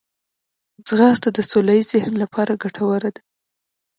ځغاسته د سوله ییز ذهن لپاره ګټوره ده